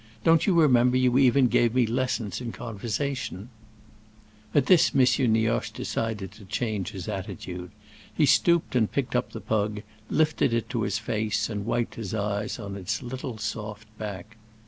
Don't you remember you even gave lessons in conversation?" At this M. Nioche decided to change his attitude. He stooped and picked up the pug, lifted it to his face and wiped his eyes on its little soft back.